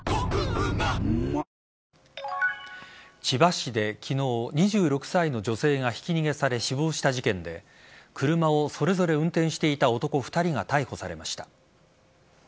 千葉市で昨日２６歳の女性がひき逃げされ死亡した事件で車をそれぞれ運転していた男２人が逮捕されました。